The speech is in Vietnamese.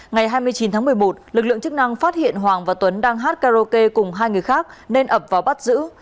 ngày hai mươi chín tháng một mươi một lực lượng chức năng phát hiện hoàng và tuấn đang hát karaoke cùng hai người khác nên ập vào bắt giữ